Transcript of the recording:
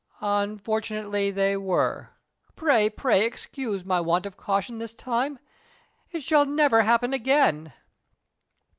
"Unfortunately they were. Pray, pray excuse my want of caution this time. It shall never happen again."